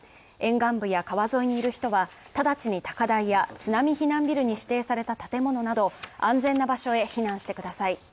沿岸部や川沿いにいる人は直ちに高台や津波避難ビルに指定された建物など安全な場所へ避難してください。